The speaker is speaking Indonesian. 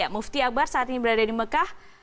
mufti akbar saat ini berada di mekah